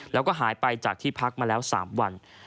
แล้วก็หายไปจากที่พักมาแล้ว๓วัน